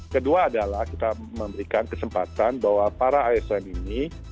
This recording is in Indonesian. kedua adalah kita memberikan kesempatan bahwa para asn ini